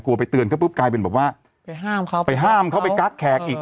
ไปเตือนเขาปุ๊บกลายเป็นแบบว่าไปห้ามเขาไปห้ามเขาไปกักแขกอีก